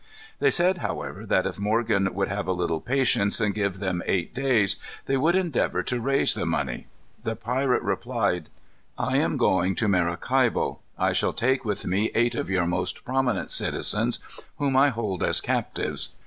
They said, however, that if Morgan would have a little patience and give them eight days, they would endeavor to raise the money. The pirate replied: "I am going to Maracaibo. I shall take with me eight of your most prominent citizens, whom I hold as captives.